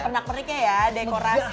pernak perniknya ya dekorasi